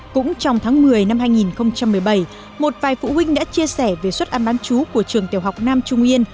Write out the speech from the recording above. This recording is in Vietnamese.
cũng trong tháng một mươi năm hai nghìn một mươi bảy một vài phụ huynh đã chia sẻ về suất ăn bán chú của trường tiểu học nam trung yên